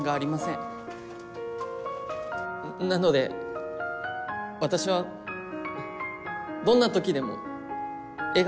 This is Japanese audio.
なので私はどんな時でも笑顔で。